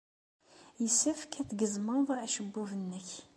Yessefk ad tgezmeḍ acebbub-nnek.